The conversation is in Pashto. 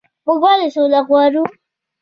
موږ ولې سوله غواړو؟